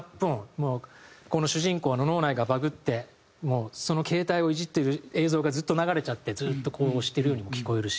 もうこの主人公の脳内がバグってその携帯をイジってる映像がずっと流れちゃってずーっとこう押してるようにも聞こえるし。